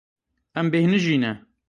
Em bêhnijîne.